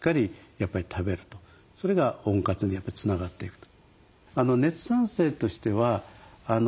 それが温活につながっていくと。